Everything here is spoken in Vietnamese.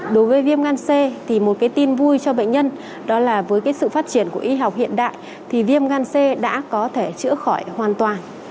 đối với viêm gan c thì một cái tin vui cho bệnh nhân đó là với cái sự phát triển của y học hiện đại thì viêm gan c đã có thể chữa khỏi hoàn toàn